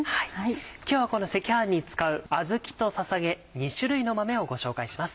今日はこの赤飯に使うあずきとささげ２種類の豆をご紹介します。